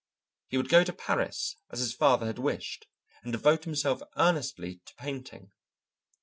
He would go to Paris as his father had wished, and devote himself earnestly to painting.